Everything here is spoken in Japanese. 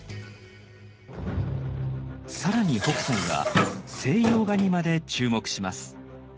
更に北斎は西洋画にまで注目します。